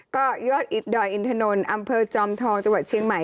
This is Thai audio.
ก็ยอดอิดดอยอินถนนอำเภอจอมทองจังหวัดเชียงใหม่